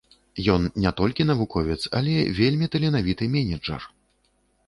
Ён не толькі навуковец, але вельмі таленавіты менеджар.